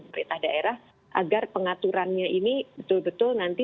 pemerintah daerah agar pengaturannya ini betul betul nanti